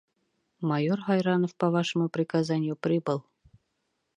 Майор Һайранов по вашему приказанию прибыл!